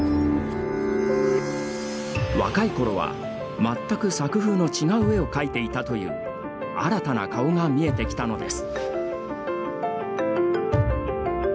若いころは、全く作風の違う絵を描いていたという新たな顔が見えてきたのです。